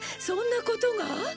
そんなことが？